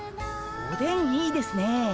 おでんいいですね。